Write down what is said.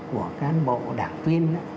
của cán bộ đảng tuyên